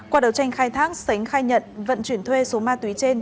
qua đầu tranh khai thác sánh khai nhận vận chuyển thuê số ma túy trên